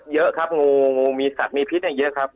เยอะครับงูงูมีสัตว์มีพิษเยอะครับ